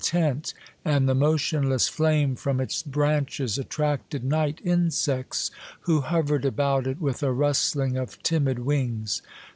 tent, and the motionless flame from its branches attracted night insects, who hovered about it with a rusthng of timid wings.